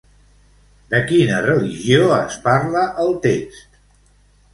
De quina religió es parla al text?